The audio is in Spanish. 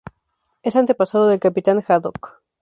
Es antepasado del Capitán Haddock.